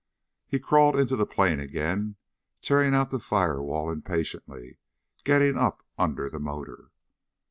He crawled into the plane again, tearing out the fire wall impatiently, getting up under the motor.